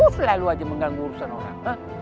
selalu aja mengganggu urusan orang